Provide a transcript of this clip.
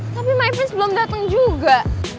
tapi my friends belum dateng juga